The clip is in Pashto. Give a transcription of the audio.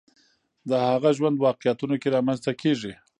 د هغه ژوند واقعیتونو کې رامنځته کېږي